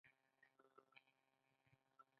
دنیوي چارې د منطق تابع دي.